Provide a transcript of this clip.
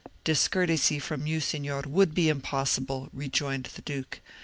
"Discourtesy from you, Signor, would be impossible," rejoined the duke.